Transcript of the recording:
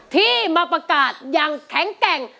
ที่มาประกาศอย่างแข็งแกร่ง